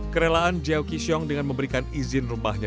kerelaan jiow ki xiong dengan memberikan izin rumpahnya